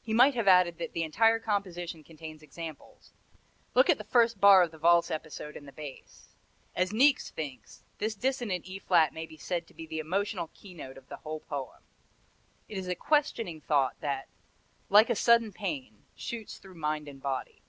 He might have added that the entire composition contains examples look at the first bar of the valse episode in the bass. As Niecks thinks, "This dissonant E flat may be said to be the emotional keynote of the whole poem. It is a questioning thought that, like a sudden pain, shoots through mind and body."